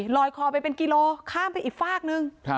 ลอยคอไปเป็นกิโลข้ามไปอีกฝากนึง